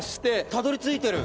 たどりついてる。